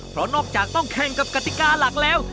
เพราะนอกจากต้องแข่งกับกติกาหลักแล้ว